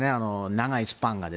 長いスパンが。